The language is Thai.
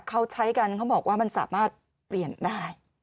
เขาใช้กันเขาบอกว่ามันสามารถเปลี่ยนได้